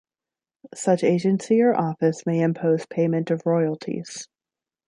Such agency or office may impose payment of royalties.